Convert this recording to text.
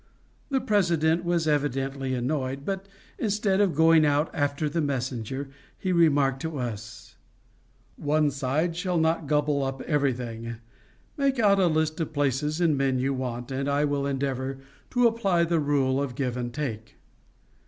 The President was evidently annoyed, but instead of going out after the messenger he remarked to us: "One side shall not gobble up everything. Make out a list of places and men you want, and I will endeavor to apply the rule of give and take."